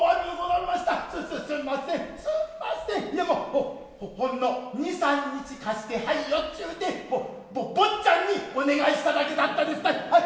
いやもうほほんの二三日貸してはいよちゅうて坊ちゃんにお願いしただけだったですたい。